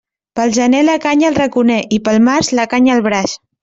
Pel gener la canya al raconer i pel març la canya al braç.